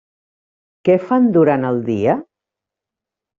Què fan durant el dia?